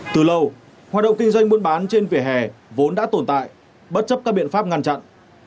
từ lâu hoạt động kinh doanh buôn bán trên vỉa hè vốn đã tồn tại bất chấp các biện pháp ngăn chặn